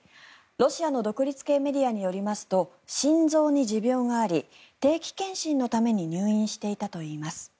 ロシアの独立系メディアによりますと心臓に持病があり定期健診のために入院していたといいます。